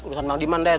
urusan bang liman den